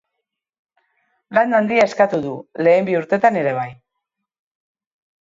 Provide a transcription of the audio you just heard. Lan handia eskatu du, lehen bi urteetan ere bai.